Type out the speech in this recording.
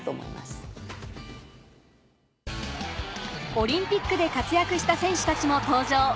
オリンピックで活躍した選手たちも登場！